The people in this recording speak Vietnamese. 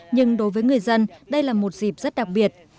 nhưng đối với người dân đây là một dịp rất đặc biệt